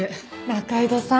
仲井戸さん。